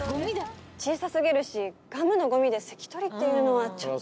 小さ過ぎるしガムのごみで席取りっていうのはちょっと。